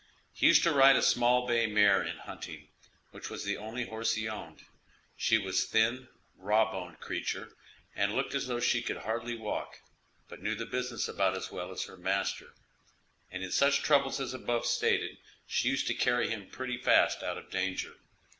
He used to ride a small bay mare in hunting, which was the only horse he owned. She was a thin, raw boned creature and looked as though she could hardly walk, but knew the business about as well as her master; and in such troubles as above stated she used to carry him pretty fast out of danger.